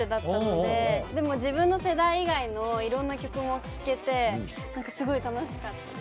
でも自分の世代以外のいろんな曲も聴けてすごい楽しかったです。